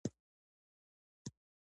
آیا د انګریزامو ماتول د پښتنو ویاړ نه دی؟